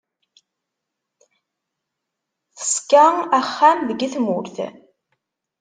Teṣka axxam deg tmurt.